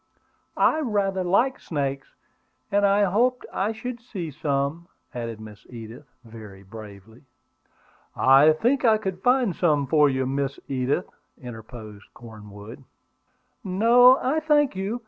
"I rather like snakes, and I hoped I should see some," added Miss Edith, very bravely. "I think I could find some for you, Miss Edith," interposed Cornwood. "No, I thank you.